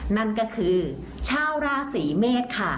นั่นก็คือชาวราศีเมษค่ะ